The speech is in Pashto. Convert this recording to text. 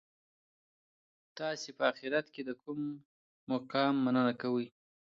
تاسي په اخیرت کي د کوم مقام مننه کوئ؟